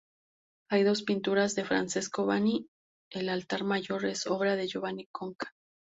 Hay dos pinturas de Francesco Vanni, el altar mayor es obra de Giovanni Conca.